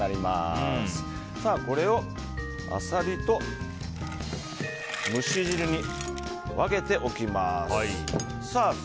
これをアサリと蒸し汁に分けておきます。